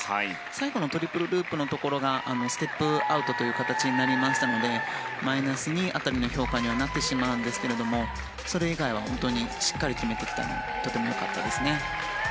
最後のトリプルループのところがステップアウトという形になりましたのでマイナス２辺りの評価になりますがそれ以外はしっかり決めていたのでとても良かったですね。